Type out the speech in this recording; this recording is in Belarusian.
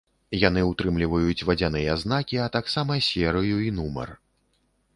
Яны ўтрымліваюць вадзяныя знакі, а таксама серыю і нумар.